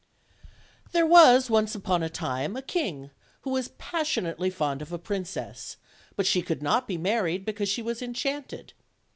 THERE was once upon a time a king who was passion ately fond of a princess; but she could not be married because she was enchanted.